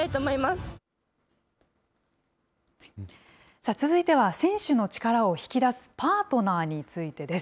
さあ、続いては選手の力を引き出すパートナーについてです。